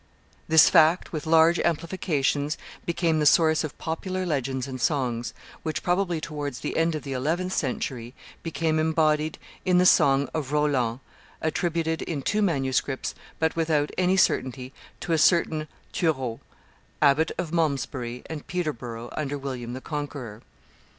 This fact, with large amplifications, became the source of popular legends and songs, which, probably towards the end of the eleventh century, became embodied in the Song of Roland, attributed, in two manuscripts, but without any certainty, to a certain Thuroulde (Turold), Abbot of Malmesbury and Peterborough under William the Conqueror.